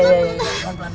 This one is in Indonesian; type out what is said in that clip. kasian lelah lu